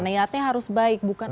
niatnya harus baik bukan